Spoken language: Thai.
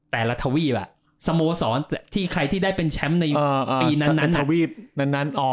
แต่ละทวีปอะสโมสรที่ใครที่ได้เป็นแชมป์ในปีนั้น